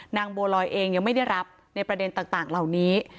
บัวลอยเองยังไม่ได้รับในประเด็นต่างเหล่านี้